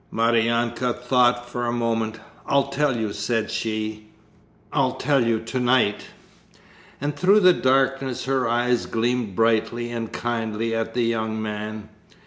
Maryanka thought for a moment. 'I'll tell you,' said she, 'I'll tell you to night.' And through the darkness her eyes gleamed brightly and kindly at the young man.